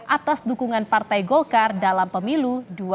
atas dukungan partai golkar dalam pemilu dua ribu dua puluh empat